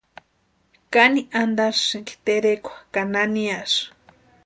¿Káni antarasïnki terekwa ka naniasï?